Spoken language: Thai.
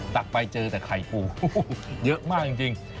ตักไปเจอแต่ไข่ปูเยอะมากจริง